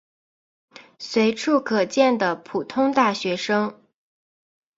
随处可见的普通大学生。